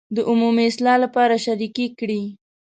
د عمومي اصلاح لپاره شریکې کړي.